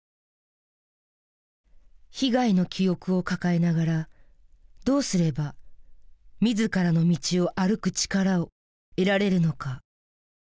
被害の記憶を抱えながらどうすれば自らの道を歩く力を得られるのか。